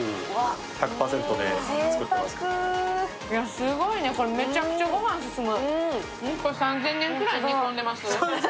すごいね、これめちゃくちゃ、ご飯進む。